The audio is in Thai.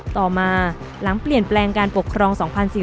ต่อมาหลังเปลี่ยนแปลงการปกครอง๒๔๔